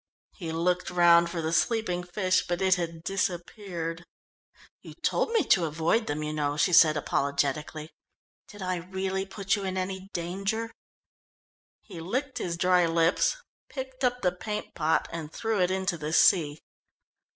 He looked round for the sleeping fish but it had disappeared. "You told me to avoid them, you know," she said apologetically. "Did I really put you in any danger?" He licked his dry lips, picked up the paint pot, and threw it into the sea.